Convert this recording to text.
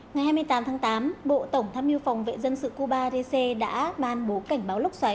ngày hai mươi tám tháng tám bộ tổng tham mưu phòng vệ dân sự cuba dc đã ban bố cảnh báo lốc xoáy